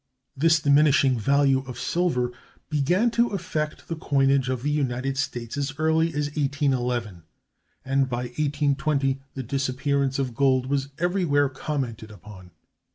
This diminishing value of silver began to affect the coinage of the United States as early as 1811, and by 1820 the disappearance of gold was everywhere commented upon.